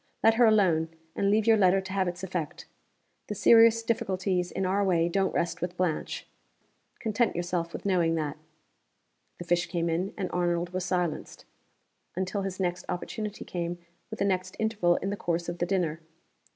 Let her alone, and leave your letter to have its effect. The serious difficulties in our way don't rest with Blanche. Content yourself with knowing that." The fish came in, and Arnold was silenced until his next opportunity came with the next interval in the course of the dinner.